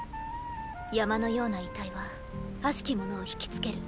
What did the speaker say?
山のような遺体は悪しきものを引きつける。